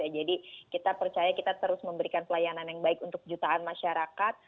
jadi kita percaya kita terus memberikan pelayanan yang baik untuk jutaan masyarakat